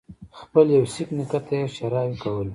خپل يوه سېک نیکه ته یې ښېراوې کولې.